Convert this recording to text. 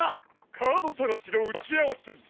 カード探しの打ち合わせだ。